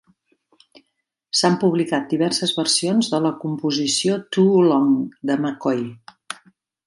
S'han publicat diverses versions de la composició "Too Long" de McCoy.